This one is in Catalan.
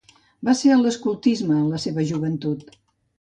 Va ser a l'escoltisme en la seva joventut.